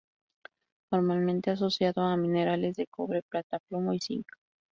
Normalmente asociado a minerales de cobre, plata, plomo y zinc.